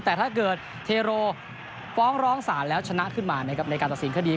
แต่ถ้าเกิดเทโรฟ้องร้องสารแล้วชนะขึ้นมาในการตัดสินข้อดี